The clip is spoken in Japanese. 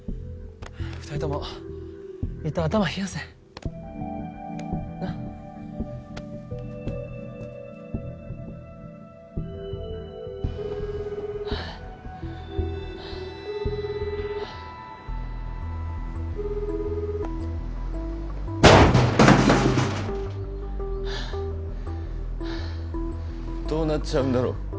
二人ともいったん頭冷やせなっどうなっちゃうんだろう